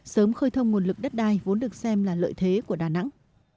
sớm khơi thông nguồn lực đất đai vốn được xem là lợi thế của đà nẵng